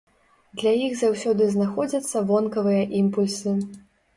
Для іх заўсёды знаходзяцца вонкавыя імпульсы.